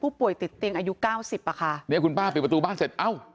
ป่วยติดเตียงอายุเก้าสิบอ่ะค่ะเนี้ยคุณป้าปิดประตูบ้านเสร็จเอ้า